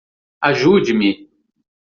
Ajude-me!